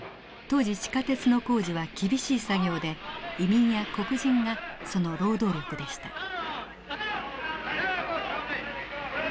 当時地下鉄の工事は厳しい作業で移民や黒人がその労働力でした。